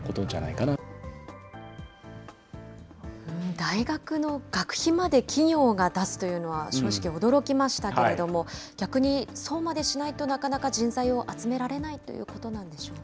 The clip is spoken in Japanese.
大学の学費まで企業が出すというのは、正直、驚きましたけれども、逆にそうまでしないと、なかなか人材を集められないということなんでしょうか。